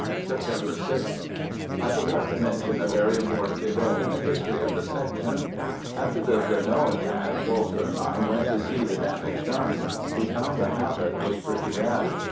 September 6th. I forgot to mention a very important event in the history of the Section. After the Blenod attack Walter and I went to see the damage done. We found the havoc was pretty bad.